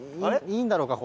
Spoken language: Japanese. いいんだろうか？